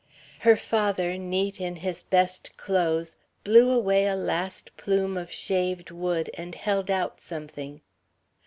Her father, neat in his best clothes, blew away a last plume of shaved wood and held out something.